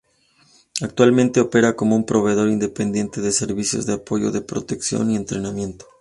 Actualmente opera como un proveedor independiente de servicios de apoyo de protección y entrenamiento.